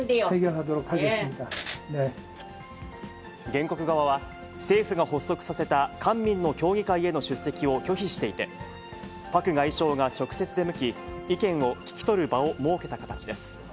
原告側は、政府が発足させた官民の協議会への出席を拒否していて、パク外相が直接出向き、意見を聞き取る場を設けた形です。